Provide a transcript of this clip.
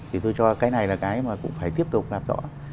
thì tôi cho cái này là cái mà cũng phải tiếp tục làm rõ